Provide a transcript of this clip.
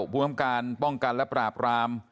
ภูมิความการป้องกันปราปราม